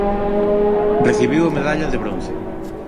Recibiu a medalla de bronce